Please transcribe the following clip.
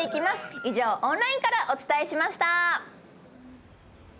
以上、オンラインからお伝えしました。